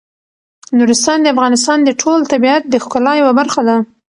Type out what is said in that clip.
نورستان د افغانستان د ټول طبیعت د ښکلا یوه برخه ده.